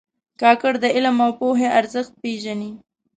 کاکړي د علم او پوهې ارزښت پېژني.